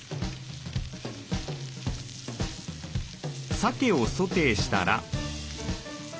さけをソテーしたら。